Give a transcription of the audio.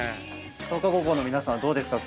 創価高校の皆さんどうですか？